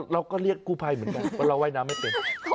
เราก็เรียกกู้ภัยเหมือนกันเพราะเราว่ายน้ำไม่เป็น